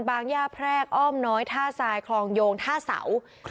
ย่าแพรกอ้อมน้อยท่าทรายคลองโยงท่าเสา